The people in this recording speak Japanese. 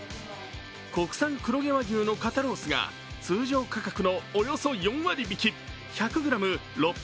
国産黒毛和牛の肩ロースが通常価格のおよそ４割引、１００ｇ６４５円。